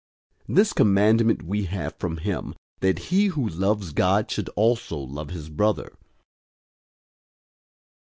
004:021 This commandment we have from him, that he who loves God should also love his brother.